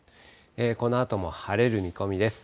このあとも晴れる見込みです。